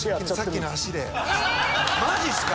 マジっすか？